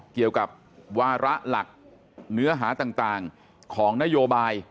เกี่ยวกับวาระหลักเนื้อหาต่างของนโยบาย